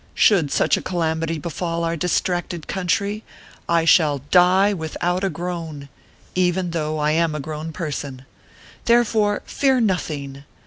Should such a calamity befall our distracted country, I shall die without a groan, even though I am a grown per son. Therefore, fear nothing.